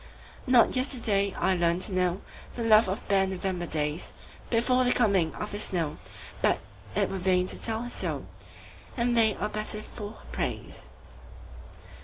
Not yesterday I learned to knowThe love of bare November daysBefore the coming of the snow, But it were vain to tell her so, And they are better for her praise.